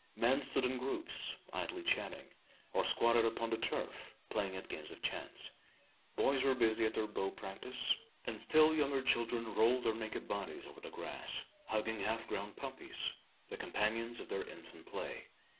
Men stood in groups, idly chatting, or squatted upon the turf, playing at games of chance. Boys were busy at their bow practice; and still younger children rolled their naked bodies over the grass, hugging half grown puppies the companions of their infant play.